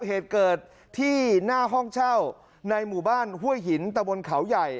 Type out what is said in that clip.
เหตุเกิดที่หน้าห้องเช่าในหมู่บ้านห้วยหินตะบนเขาใหญ่